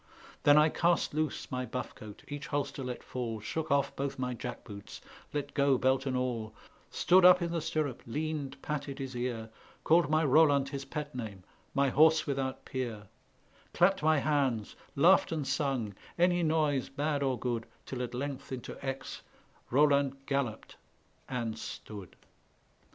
Then I cast loose my buff coat, each holster let fall, Shook off both my jack boots, let go belt and all, Stood up in the stirrup, leaned, patted his ear, Called my Roland his pet name, my horse without peer Clapped my hands, laughed and sung, any noise, bad or good, Till at length into Aix Roland galloped and stood.